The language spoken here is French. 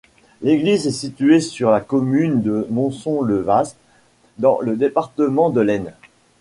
L'église est située sur la commune de Monceau-le-Waast, dans le département de l'Aisne.